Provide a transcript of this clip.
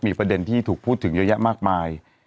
มีประเด็นที่ถูกพูดถึงเยอะแยะมากมาย